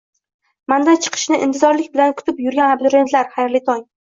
Mandat chiqishini intizorlik bilan kutib yurgan abituriyentlar, xayrli tong!